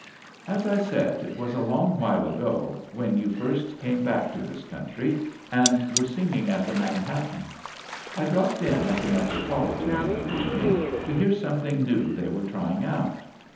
"As I said, it was a long while ago, when you first came back to this country and were singing at the Manhattan. I dropped in at the Metropolitan one evening to hear something new they were trying out.